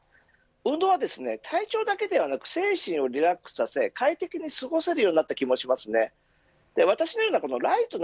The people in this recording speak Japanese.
運動は、体調だけではなく精神をリラックスさせ快適に過ごせるようになった気もします。